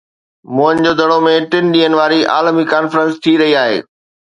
موئن جو دڙو ۾ ٽن ڏينهن واري عالمي ڪانفرنس ٿي رهي آهي